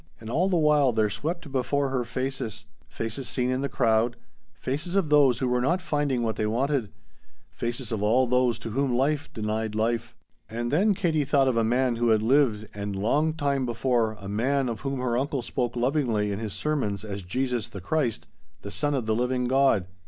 And all the while there swept before her faces faces seen in the crowd, faces of those who were not finding what they wanted, faces of all those to whom life denied life. And then Katie thought of a man who had lived & long time before, a man of whom her uncle spoke lovingly in his sermons as Jesus the Christ, the Son of the living God.